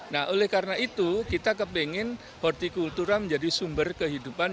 nah oleh karena itu kita kepingin hortikultura menjadi sumber kehidupan